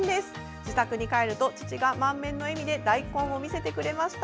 自宅に帰ると父が満面の笑みで大根を見せてくれました。